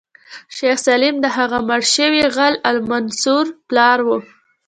شیخ سلیم د هغه مړ شوي غل المنصور پلار و.